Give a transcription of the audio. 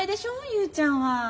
勇ちゃんは。